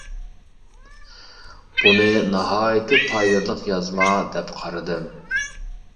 بۇنى ناھايىتى پايدىلىق يازما دەپ قارىدىم.